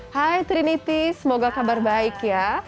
hai trinity semoga kabar baik ya